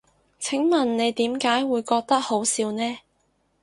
請問你點解會覺得好笑呢？